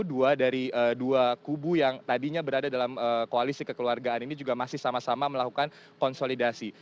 dua dari dua kubu yang tadinya berada dalam koalisi kekeluargaan ini juga masih sama sama melakukan konsolidasi